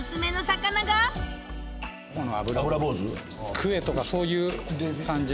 クエとかそういう感じの。